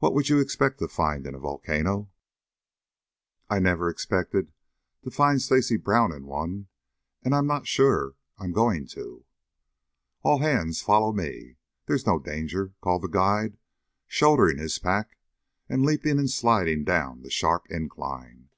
"What would you expect to find in a volcano?" "I'd never expect to find Stacy Brown in one, and I'm not sure that I'm going to." "All hands follow me. There's no danger," called the guide, shouldering his pack and leaping and sliding down the sharp incline.